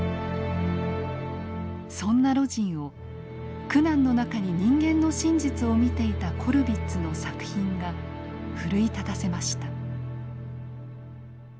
そんな魯迅を苦難の中に人間の真実を見ていたコルヴィッツの作品が奮い立たせました。